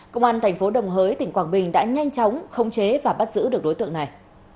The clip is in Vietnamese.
công an tp đồng hới tỉnh quảng bình đã nhanh chóng không chế và bắt giữ được đối tượng này